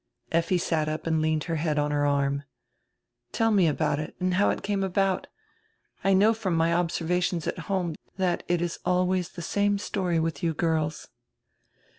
Lffi sat up and leaned her head on her arm. "Tell me about it, and how it came about. I know from my observa tions at home that it is always die same story with you girls."